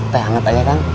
teh hangat aja kang